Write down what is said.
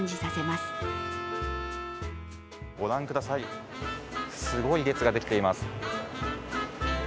すごい列ができています。